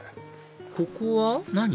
ここは何？